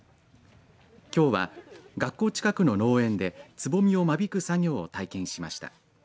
きょうは学校近くの農園でつぼみを間引く作業を体験しました。